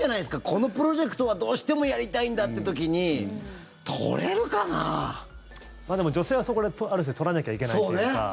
このプロジェクトはどうしてもやりたいんだって時にでも、女性はそこである種取らなきゃいけないっていうか。